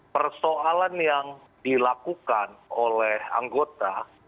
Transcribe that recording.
persoalan yang dilakukan oleh anggota